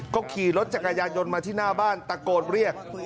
ก็ขี่รถจักรยายนมาที่หน้าบ้านตะโกนเรียก